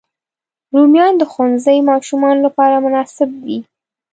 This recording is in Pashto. رومیان د ښوونځي ماشومانو لپاره مناسب دي